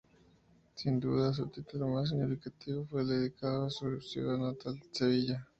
Sin duda, su título más significativo fue el dedicado a su ciudad natal, "¡Sevilla!